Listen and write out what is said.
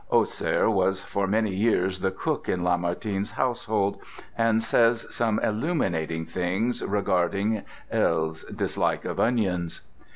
Oser was for many years the cook in Lamartine's household, and says some illuminating things regarding L.'s dislike of onions.)